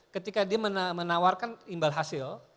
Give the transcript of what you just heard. ketika dia menawarkan imbal hasil